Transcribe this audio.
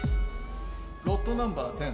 ロットナンバー１０